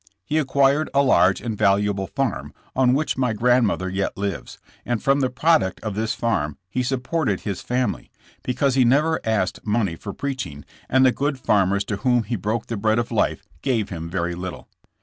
He acquired a large and valuable farm, on which my grandmother yet lives, and from the product of this farm he supported his family, because he never asked money for preaching and the good farmers to whom he broke the bread of life gave him very little.